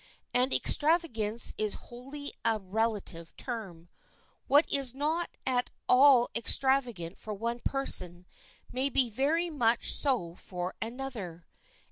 And extravagance is wholly a relative term. What is not at all extravagant for one person may be very much so for another.